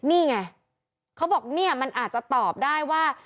นี่ไงเขาบอกเนี่ยมันอาจจะตอบได้ว่า